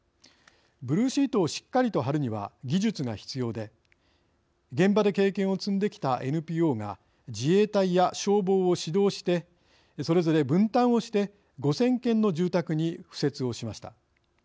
ブルーシートをしっかりと張るには技術が必要で現場で経験を積んできたＮＰＯが自衛隊や消防を指導してそれぞれ分担をして５，０００件の住宅に敷設をしました。